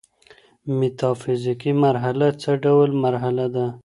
ميتافزيکي مرحله څه ډول مرحله ده؟